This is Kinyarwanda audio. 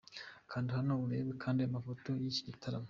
Kanda hano urebe andi mafoto y’iki gitaramo.